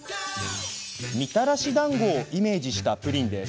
みたらしだんごをイメージしたプリンです。